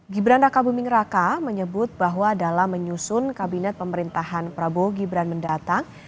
gibran raka buming raka menyebut bahwa dalam menyusun kabinet pemerintahan prabowo gibran mendatang